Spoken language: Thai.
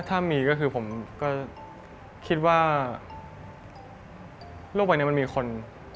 ถ้ามีก็คือผมก็คิดว่าโลกใบนี้มันมีคน